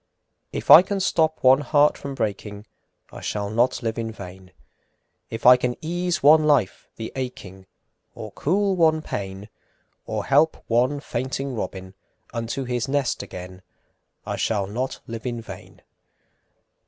VI. If I can stop one heart from breaking, I shall not live in vain; If I can ease one life the aching, Or cool one pain, Or help one fainting robin Unto his nest again, I shall not live in vain.